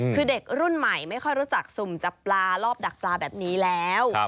คือเด็กรุ่นใหม่ไม่ค่อยรู้จักสุ่มจับปลารอบดักปลาแบบนี้แล้ว